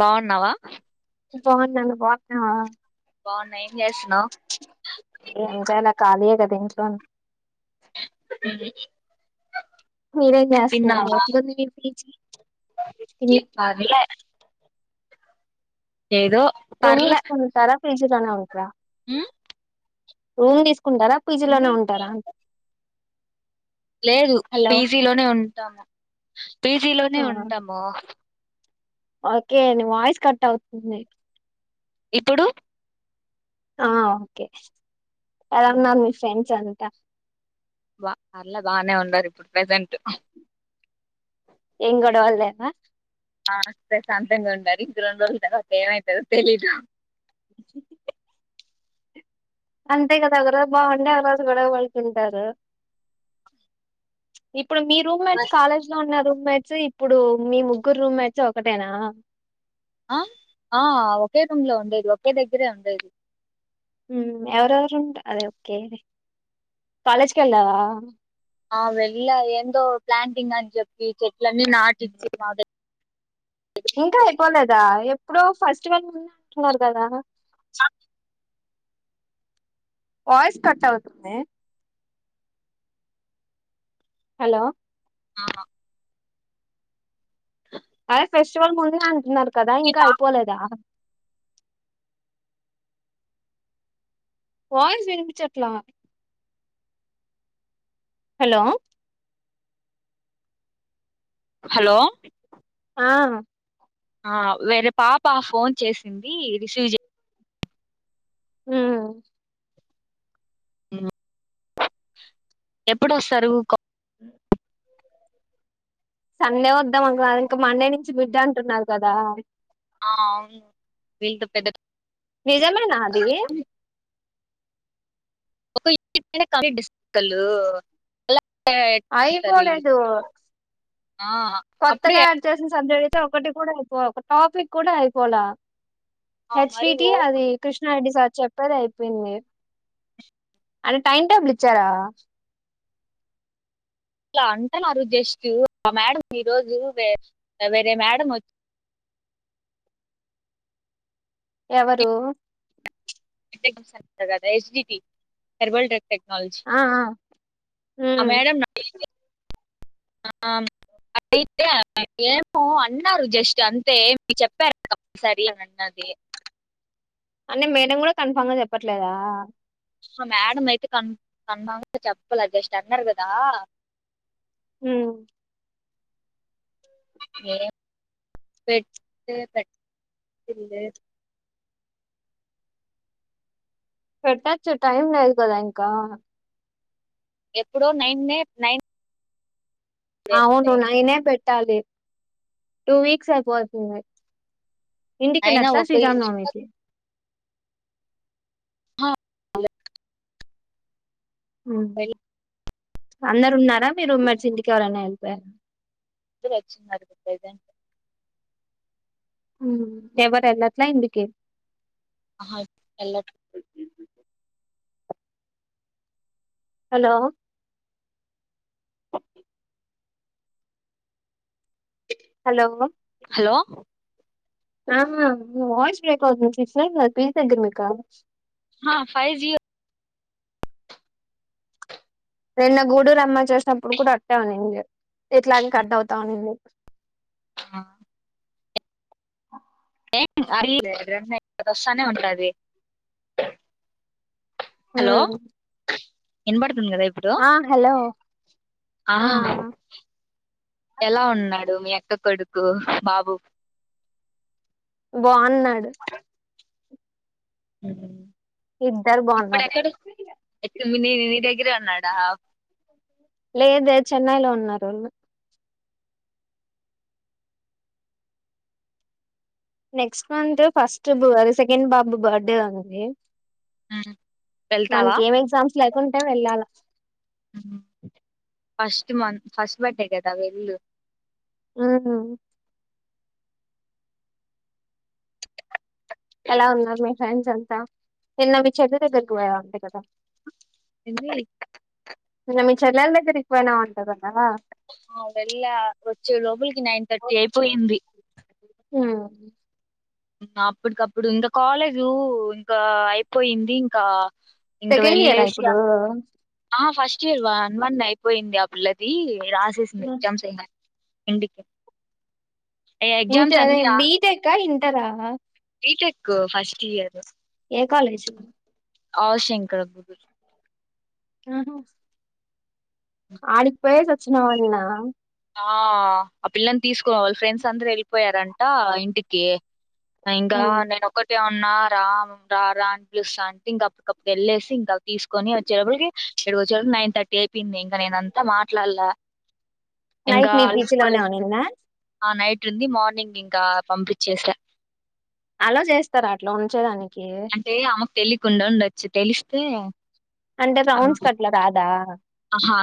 బావున్నావా బావున్నా నువ్ బావున్నావా బావున్నా ఏం చేస్తున్నావ్ ఏం చేయాల ఖాళీయే కదా ఇంట్లో మీరేం చేస్సున్నారు తిన్నావా ఎట్లుంది మీ పీజీ తిన్నారా పర్లే ఏదో రూమ్ పర్లే తీసుకొనివుంటారా పీజీలోనే ఉంట్రా ఉమ్ రూమ్ తీసు కుంటారా పీజీలోనే ఏంది ఉంటారా లేదు హలో పీజీలోనే ఉంటాము పీజీలోనే ఆ ఉంటాము ఓకే అండి వాయిస్ కట్ అవుతుంది ఇప్పుడు ఆ ఓకే అడేమన ఉమ్, మీ ఫ్రెండ్స్ అం తా బా అర్లే బానే ఉన్నారు ఇప్పుడు ప్రజెంట్ ఏం గొడవల్లేవా ఆ ప్రశాంతంగా ఉండారు ఇంక రొండు రోజుల్ తర్వాత ఏమైతదో తెలీదు అంతే కదా ఒకరోజు బాగుండే ఒకరోజు గొడవాడుతుంటారు ఇప్ పుడు మీ రూమ్మేట్స్ కాలేజ్ లో ఉన్నారు బ్యాచ్ ఇప్పుడు మీ ముగ్గురు రూమ్మేట్స్ ఒకటేనా అ ఆ ఒకే రూమ్ లో ఉండేది ఒకే దగ్గరే ఉండేది మ్మ్ ఎవరెవరు ఉంట అది ఓకే కాలేజ్ కెళ్ళావా ఆ వెళ్ళ ఏందో ప్లాంటింగ్ అని చెప్పి చెట్లన్నీ నాటిచ్చ మాద ఇంకా అయిపోలేదా ఇప్పుడు ఫస్ట్వల్ ముంద అంటున్నారు కదా చె వయిస్ కట్ అవుతు హలో ఆ అదే ఫెస్టివల్ ముందు అంటున్నారు కదా ఇంకా అయిపోలేదా వాయిస్ వినిపించట్లా హలో హలో ఆ ఆ వేరే పాప ఫోన్ చేసింది రిసీవ్ చే ఉమ్ ఎప్పుడు ఒస్తారు అ సండే వద్దాం అనుకున్నా ఇంకా మండే నుంచి మిడ్ అంటున్నారు కదా ఆ అవును వీళ్ళతో పెద్ద నిజమేనా అది ఒక యూని న కంప్లీట్ ఇస్తలు అయిపోలేదు ఆ అప్పుడే కొత్తగా యాడ్ చేసిన స ఒకటి కూడా అయిపోల ఒక టాపిక్ కూడా అయిపోల ఆ, హెచ్ మరి డిటి ఓ అది కృష్ణ రెడ్డి సార్ చెప్పేది అయిపోయింది అది టైం టేబుల్ ఇచ్చారా అలా అంటున్నారు జస్ట్ మా మేడం ఈ రోజు వేరే మేడం వచ్చి ఎవరు ఎస్ అంటది H D T herbal drug tech ఆ ఆ ఆ ఉమ్ మేడం ఆ అయితే ఏమో అన్నారు జస్ట్ అంతే మీ చెప్పారగా సరి అని అన్నది అంటే మేడం కూడా కన్ఫామ్ గా చెప్పట్లేదా సో మేడం అయితే కన్ఫర్మ్ గా చెప్పలే జస్ట్ అన్నారు కదా హ్మ్ ఏ పెట్ పెట్ పెట్టచ్చు టైం లేదు కదా ఇంకా ఎప్పుడో నైన్ నైన్ అవును నైనే పెట్ లి టూ వీక్స్ అయిపోతుంది ఇంటికీ అయినా ఎల్లొచ్చ ఒక శ్రీరామ్ నవమికి హ హ్మ్ అందరున్నారు మీ రూమ్మెట్స్ ఇంటికి ఎవరైన ఎల్ స ఫుడ్ తెచ్చుకో నికి వెల్ హ్మ్ ఎవరు ఎల్లట్లా ఇంటికి ఆహా ఎల్లర్ హలో హలో హలో ఆ వాయిస్ బ్రేక్ అవుతుంది సిగ్నల్ ఏది దగ్గర మీక ఫైవ్ జి నిన్న గూడురమ్మ చేసినప్పుడు కూడా అట్టే ఉనండి ఇట్లాగ కట్ అవుతావునండి ఆ అ రె వస్తానే ఉంటది హలో ఎన్‌పాడు తుంధి కదా ఇప్పుడు ఆ హలో ఆ ఎలా ఉన్నాడు మీ అక్క ట్టక ఎడుకు బాబు బాగున్నాడు ఉమ్ ఇద్దరు బాగున్నారు ఎక్క- నీ నీ దగ్గర అన్నాడా లేద చెన్నైలో ఉన్నారు వాళ్ళు నెక్స్ట్ మంత్ ఫస్ట్ బురి సెకండ్ బాబు బర్త్డే ఉంది మనకి వెళ్తావా ఏం ఎగ్జామ్స్ లేకుండా ఇ వెళ్ళాల ఉమ్ ఫస్ట్ మ ఫస్ట్ బట్టే కదా వెళ్ళు ఉమ్ ఎలా ఉనారు మీరు ఫ్రెండ్స్ అంతా నినా మి చందు ధగ్రాకి పోయినావ్ అంటా కద ఎంది నమ్ మి చెలల్ ధగ్రాకి పోయినావ్ అంటా కదా ఆ వెళ్ళా వాచే లోపాల్క్ కి నైన్ థర్టీ అయిపోయింది ఉమ్ అప్పటికప్పుడు ఇంకా కాలేజు ఇంకా అయిపోయింది ఇంకా ఇంక సెకండ్ ఇయరా ఇప్పుడు చ్చ వన్ వన్ అయిపోయింది ఆ పల్లది ఇ రసేసిన్ది ఎగ్జామ్స్ ఇంకా ఇంటికి ఇంత ఎగ్జామ్స్ అదే అన్ని రా బిటెక్ ఆ ఇం ఇంటార టెక్ ఫస్ట్ ఇయర్ ఏ కాలజ ఆవు శంకరబ్బగు ఆహో ఆడికి పోయే సచ్చనావా నినా ఆ ఆ పిల్లని తీసుకున్న వాళ్ళు ఫ్రెండ్స్ అందరుూ వెళ్ళిపోయారంట ఇంటికి ఇంకా నేను ఒకక్కటి న్న రా రా పలు అంటే ఇంకప్పటికప్పుడు వెళ్ళేసి ఇంకా తీసుకొని వచ్చేకి ఏడు వచ్చకి నైన్ థర్టీ అయి చెప్పింది ఇంక నేనంతా మాట్లాడలా ఇంకా నైట్ మీ పీచ్ అలసిపోయి లోనే ఉనిందా నైట్ ఉంది మార్నింగ్ ఇంకా పంపించేస్త అలా చేస్తారా అట్లా ఉంచేదానికి అంటే అమ్మకు తెలియకుండా ఉండొచ్చు తెలిస్తే అంటే రౌండ్స్ కట్లా రాదా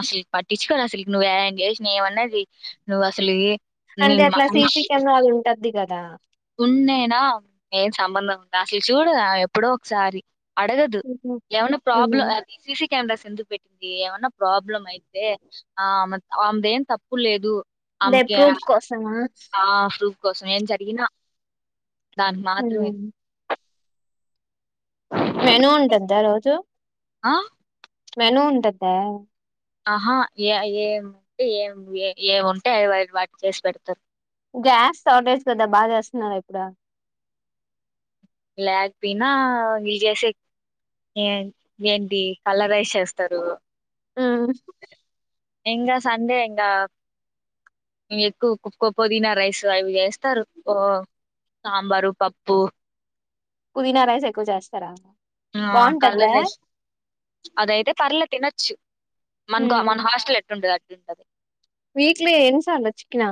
సిక్ పార్టీచ్చ సిక్ ను వరాయి నేమన్నది నువ్వు అసలు అంటే నేను అట్లా మా సీసి కెమెరాలు ఉంటది ది కదా ఉన్నేనా నేం సంబంధం ఉంటా అసలు చూడ ఎప్పుడో ఒకసారి అడగదు హుహు. ఎవనా ప్రాబ్లం హ్మ్. అస కంద సిందు పెట్టింది ఏమన్నా ప్రాబ్లం అయితే ఆ ఆమెది ఏం తప్పు లేదు అంటే ఆమెకి ప్రూఫ్ కోసమా ఆ ట్రూ కోసం ఏం జరిగినా దాని హ్మ్. మాత్రమే మెనూ ఉంటుంద్దా రోజు ఆ మేను ఉంటుంద్దా ఆహా ఏ ఏంటే ఏం ఏ ఏముంటే అది వా వాటి చేసి పెడతారు గ్యాస్ షార్టేజ్ కదా బాగా చేస్తున్నారు ఇప్పుడ లేకపోయినా ఇలు చేసే ఏ ఏంటి కలరైస్ చేస్తారు ఆ ఇంకా సండే ఇంకా, ఎక్కువకో పొదీనా రైస్ అవి చేస్తారు సాంబారు పప్పు పుదీనా రైస్ ఎక్కువ చేస్తారా ఆ కలర్ బాగుంటద్దా రైస్ అదయితే పర్లే తినొచ్చు, మనకు మన హాస్టల్ ఎట్టుండంది అ టది వీట్ల ఎన్సార్ లచ్చికనా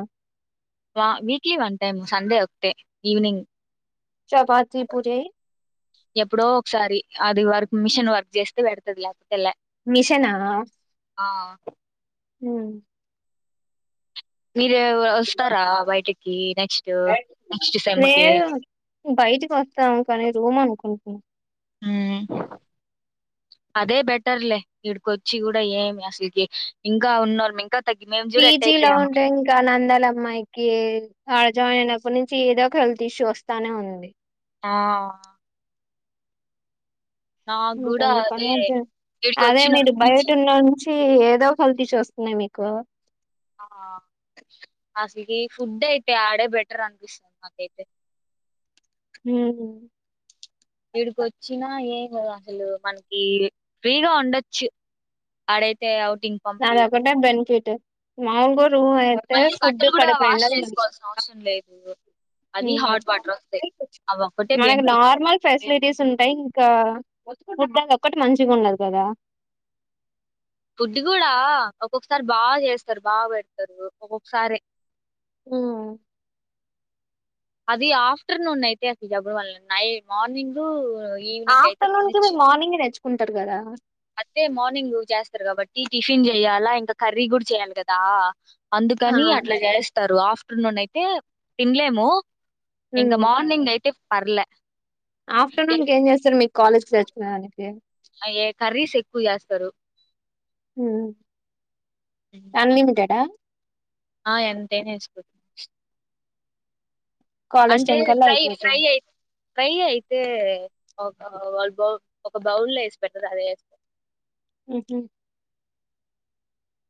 వా వీక్లీ వన్ టైమ్ సండే ఒకటే ఈవినింగ్ చపాతి పూరి ఎప్పుడో ఒకసారి అది వర్క్ మిషన్ వర్క్ చేస్తే పెడతది లేకపోతే లే మిషనా ఆ హుమ్ మీరేవ్వ వస్తారా బయటికి నెక్స్ట్ నెక్స్ట్ సెమ్క్ కీ లేదు హ్మ్ హుమ్మ్ ప్చ్ అదే బెటర్లే ఇడికొచ్చి కూడా ఏమి అసలుకి ఇంకా ఉన్నారు. మీ ఇంకా తగ్గి మేము చూడ ఎట్ పీజీ లో అయిపోయాము ఉంటే ఇంకా నందాల అమ్మాయికి ఆడ జాయిన్ అయినప్పటి నుంచి ఏదో ఒక హెల్త్ ఇష్యూ వస్తానే ఉంది ఆ నాకు కూడా కందుకనే అదే వచ్చేస్తీ ఈడికి అదే మీరు వచ్చినప్పటి నుంచి బయటున్న ఉన్ చి ఏదో హెల్తిస్సు వస్తున్నాయి మీకు ఆ అసలుకి ఫుడ్ అయితే ఆడే బెటర్ అనిపిస్తుంది నాకైతే ఉ మ్ వీడికి వచ్చినా ఏం ల అసలు మనకి ఫ్రీగా ఉండచ్చు ఆడైతే అవుట్ అదొ ఒకటే బెనిఫిట్ మాంగు రు రూమ్ అయితే మళ్ళీ ఫుడ్ బట్టలు కూడా కడుపూ వాష్ నిండా తినోచూ చేసుకోవాల్సిన అవసరం లేదు అది ఉమ్ హాట్ వాటర్ వస్తాయి అవి ఒక్కటే మనకి బెనిఫిట్ నార్మల్ ఫెసిలిటీస్ ఉంటాయి ఇంకా ఫుడ్ అదిఒక్కటి మంచిగా ఉన్నది కదా ఇది కూడా ఒక్కొక్కసారి బాగా చేస్తారు బాగా పెడతారు ఒక్కొక్కసారి హుమ్ అది ఆఫ్టర్నూన్ అయితే అసలు చెప్పబల్లె నై మార్నింగ్ ఈవినింగ్ అయితే ఆఫ్టర్నూన్ కి మీరు మార్నింగే తెచ్చుకున్ టారు కదా అంతే మార్నింగ్ చేస్తారు కాబట్టి టిఫిన్ చెయ్యాలా ఇంకా కర్రీ కూడా చెయాలి కదా ఆ అందుకని అట్లా చేస్తారు ఆఫ్ నూన్ అయితే తినలేము ఇంగ హ్మ్. మార్నింగ్ అయితే పర్లే ఆఫ్టర్నూన్ ఏ- గేమ్చేస్తారు మీకు కాలేజ్ తెచ్చుకునేదానికి అయ్యే కర్రీస్ ఎక్కువ చేస్తారు ఉమ్. అన్లిమిటెడ్ ఆ ఆ ఎంతైనా వేసుకోవచ్చు కాలేజ్ అంటే టైం కల్లా ఫ్రై ఫ్రై అయిపోతది అయి ఫ్రై అయితేఓ క వాళ్ళు బౌ ఒక బౌలో వేసి పెడతది అదే ఎస్ ఉంహు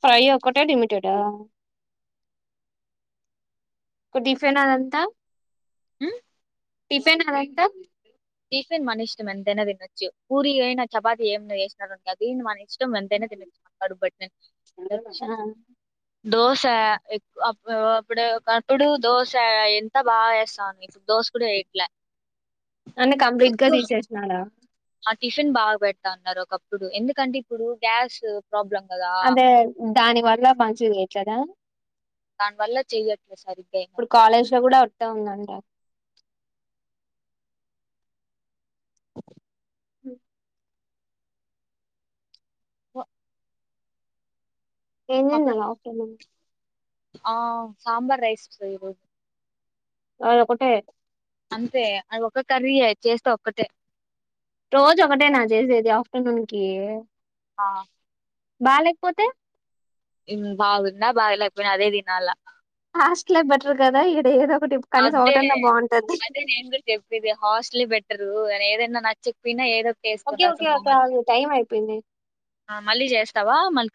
ఫ్రై ఒకటే లిమిటెడ్ ఆ ఇక డిఫిన్ అదంతా ఉమ్ టిఫెన్ అదంతా టిఫిన్ మన ఇష్టం ఎంతైనా తినొచ్చు పూరి అయినా చపాతి ఏమనా చేసినారనుకో అది మన ఇష్టం మనం ఎంతైనా తినచ్చు కడుపు బట్టే ఆ దోశ ఎ అప్పుడు ఒక అప్పుడు దోశ ఎంత బాగా వేస్తాను ఇప్పుడు దోశ కూడా వేయట్లా అన్న కంప్లీట్ గా తీసేసినారా ఆ టిఫిన్ బాగా పెడతాన్నారు ఒకప్పుడు ఎందుకంటే ఇప్పుడు గ్యాస్ ప్రాబ్లం కదా అదే, దాని వల్ల మంచిగ చేయట్లేదా? దాన్ వల్ల చెయ్యట్ ఇప్పుడు కాలేజ్ల కూడ అట్టే ఉందంట. ఉమ్ వా ఏం తిన్నవ్ ఆఫ్టర్నూన్? ఆ సాంబర్ రైసొస్తది ఈరోజు అది ఒకటే అంతే, అది ఒక కర్రీయే, చేస్తే ఒక్కటే. రోజు ఒకటేనా చేసేది, ఆఫ్టర్నూన్ కి? ఆ బాలేక్పోతే? ఉమ్ బాగున్న, బాలేకపోయిన అదే తినాల. హాస్ట్లే బెటర్ కదా, ఇడ ఏదో ఒకటి కనీసం అద్దె, ఒకటన్నా బాగుంటది అదే నేన్ కూడా చెప్పేది హాస్టలే బెటర్. డు అనె ఏదన్నా నాక్ చెప్పిన ఏదోక్ ఓకే ఓకే ఒక టైం అయిపోయింది ఆ మళ్ళీ చేస్తావా మల్ కా